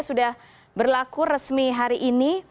sudah berlaku resmi hari ini